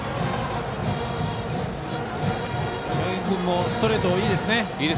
高木君もストレートいいですね。